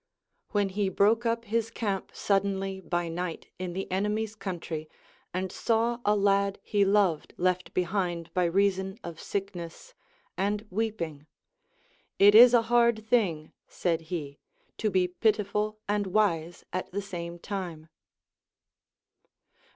When he broke up his camp suddenly by night in the ene my's country, and saAV a lad he loA ed left behind by reason of sickness, and weeping. It is a hard thing, said he, to be pitiful and wise at the same time.